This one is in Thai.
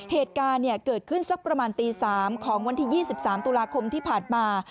เหตุการณ์เกิดขึ้นสักประมาณตี๓ของวันที่๒๓ตุลาคมที่ผ่านมา